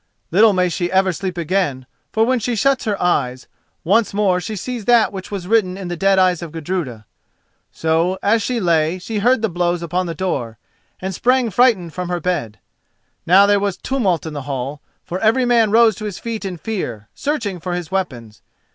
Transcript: Little may she ever sleep again, for when she shuts her eyes once more she sees that which was written in the dead eyes of Gudruda. So, as she lay, she heard the blows upon the door, and sprang frightened from her bed. Now there was tumult in the hall, for every man rose to his feet in fear, searching for his weapons.